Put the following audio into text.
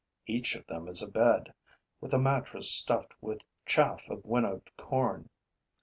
Each of them is a bed, with a mattress stuffed with chaff of winnowed corn.